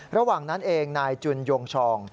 ระหว่างนั้นเองนายจุนยงชอง